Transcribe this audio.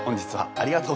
ありがとう。